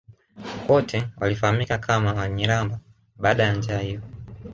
wote walifahamika kama Wanyiramba baada ya njaa hiyo